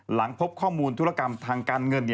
หลังพบข้อมูลธุรกรรมทางการเงิน